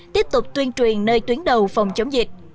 tiếp tục tuyên truyền nơi tuyến đầu phòng chống dịch